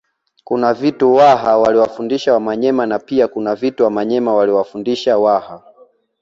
Kuna vitu Waha waliwafundisha Wamanyema na pia kuna vitu Wamanyema waliwafundisha Waha